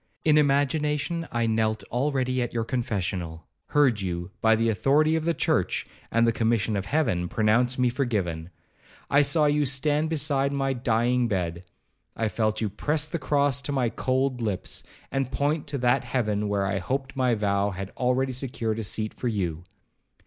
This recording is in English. In imagination I knelt already at your confessional,—heard you, by the authority of the church, and the commission of Heaven, pronounce me forgiven. I saw you stand beside my dying bed,—I felt you press the cross to my cold lips, and point to that heaven where I hoped my vow had already secured a seat for you.